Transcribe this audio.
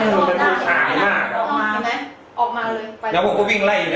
เดี๋ยวผมก็วิ่งไล่อีกนะ